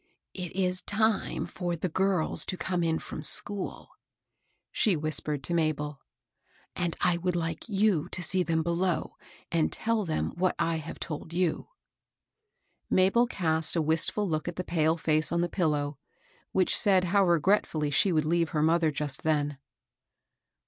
" It is time for the girls to come in from school,'* she whispered to Mabel ;" and I would like you to see them below and tell them what I have told you." Mabel cast a wistful look at the pale face on the pillow, wliich said how regretfully she would leave her mother just then.